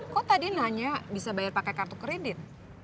kok tadi nanya bisa bayar pakai kartu kredit